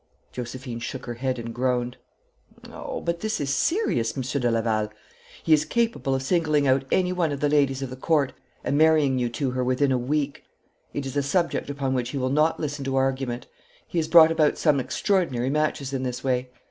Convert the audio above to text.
Josephine shook her head and groaned. 'But this is serious, Monsieur de Laval. He is capable of singling out any one of the ladies of the Court and marrying you to her within a week. It is a subject upon which he will not listen to argument. He has brought about some extraordinary matches in this way.